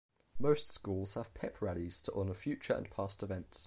Most schools have pep rallies to honor future and past events.